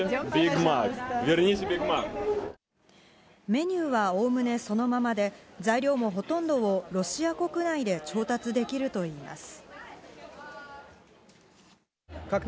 メニューはおおむねそのままで、材料もほとんどをロシア国内で調達できるといいます。